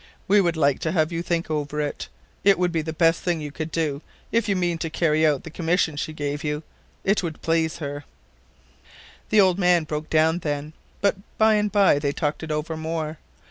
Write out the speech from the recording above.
We would like to have you think it over. It would be the best thing you could do, if you mean to carry out the commission she gave you. It would please her" — The old man broke down then, but by and by they talked it over more.